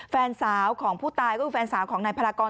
แฟนสาวของผู้ตายก็คือแฟนสาวของนายพลากร